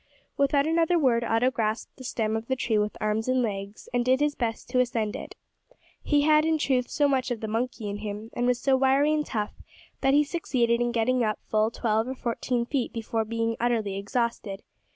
Without another word Otto grasped the stem of the tree with arms and legs, and did his best to ascend it. He had, in truth, so much of the monkey in him, and was so wiry and tough, that he succeeded in getting up full twelve or fourteen feet before being utterly exhausted.